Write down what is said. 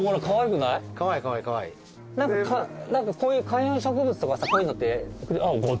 こういう観葉植物とかさこういうのって。